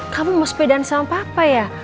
kamu mau sepedaan sama papa ya